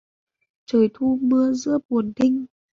Trời thu mưa giữa buồn thinh